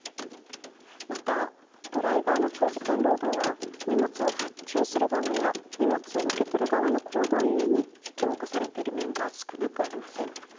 またドライバーの長時間労働は荷物を発注する側や荷物を受け取る側の行動ゆえに引き起こされている面が少なくありません。